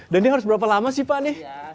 dan ini harus berapa lama sih pak nih